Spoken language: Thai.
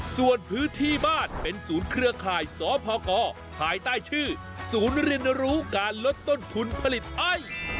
ส่วนพื้นที่บ้านเป็นศูนย์เครือข่ายสพกภายใต้ชื่อศูนย์เรียนรู้การลดต้นทุนผลิตไอ